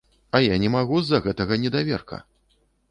А я не магу з-за гэтага недаверка!